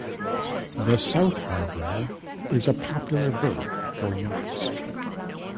The South Harbour is a popular berth for yachts.